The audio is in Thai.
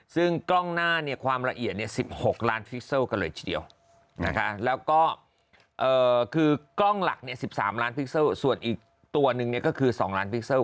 ซึ่งกล้องหน้าเนี่ยความละเอียด๑๖ล้านพิกเซลกันเลยทีเดียวนะคะแล้วก็คือกล้องหลักเนี่ย๑๓ล้านพิกเซลส่วนอีกตัวนึงเนี่ยก็คือ๒ล้านพิกเซล